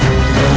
tim item tersebut